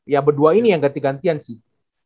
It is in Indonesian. ya berdua ini yang ganti gantian sih